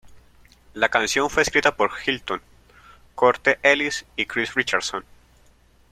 La canción fue escrita por Hilton, Corte Ellis y Chris Richardson.